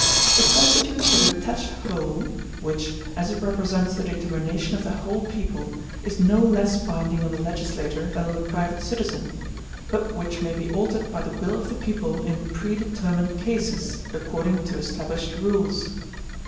It constitutes a detached whole, which, as it represents the determination of the whole people, is no less binding on the legislator than on the private citizen, but which may be altered by the will of the people in predetermined cases, according to established rules.